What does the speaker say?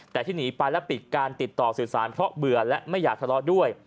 แต่ที่หนีไปและปิดการติดต่อสื่อสารเพราะเบื่อและไม่อยากทะเลาะด้วย